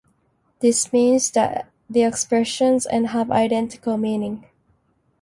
This means that the expressions and have identical meanings.